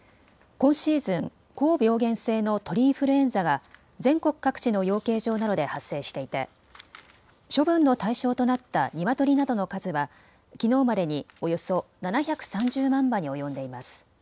今シーズン、高病原性の鳥インフルエンザが全国各地の養鶏場などで発生していて処分の対象となったニワトリなどの数はきのうまでにおよそ７３０万羽に及んでいます。